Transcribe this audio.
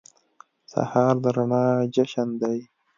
سهار د رڼا جشن دی.